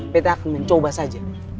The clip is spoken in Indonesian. beta akan mencoba saja